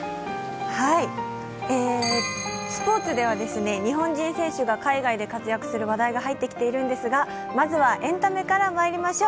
スポ−ツでは日本人選手が海外で活躍する話題が入ってきているんですが、まずエンタメからまいりましょう。